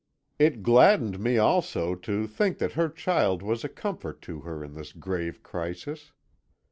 It gladdened me also to think that her child was a comfort to her in this grave crisis.